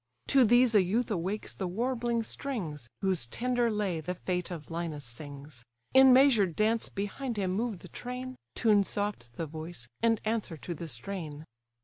To these a youth awakes the warbling strings, Whose tender lay the fate of Linus sings; In measured dance behind him move the train, Tune soft the voice, and answer to the strain.